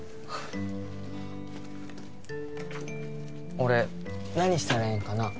俺何したらええんかな？